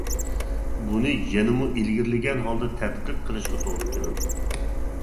بۇنى يەنىمۇ ئىلگىرىلىگەن ھالدا تەتقىق قىلىشقا توغرا كېلىدۇ.